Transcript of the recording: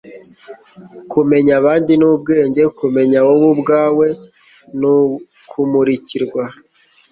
kumenya abandi ni ubwenge, kumenya wowe ubwawe ni ukumurikirwa